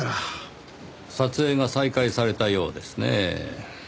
撮影が再開されたようですねぇ。